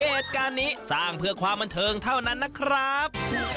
เหตุการณ์นี้สร้างเพื่อความบันเทิงเท่านั้นนะครับ